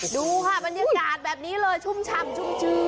ดูค่ะบรรยากาศแบบนี้เลยชุ่มฉ่ำชุ่มชื่น